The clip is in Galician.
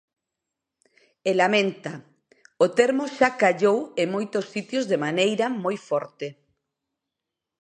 E lamenta: "O termo xa callou en moitos sitios de maneira moi forte".